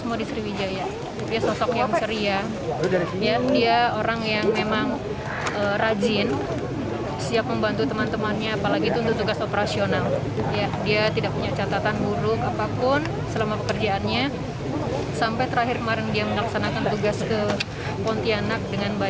sampai terakhir kemarin dia melaksanakan tugas ke pontianak dengan baik